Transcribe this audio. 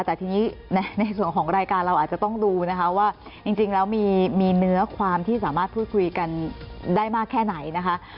แต่ทีนี้ในส่วนของรายการเราอาจจะต้องดูนะคะว่าจริงแล้วมีเนื้อความที่สามารถพูดคุยกันได้มากแค่ไหนนะคะ